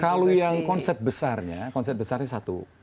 kalau yang konset besarnya konset besarnya satu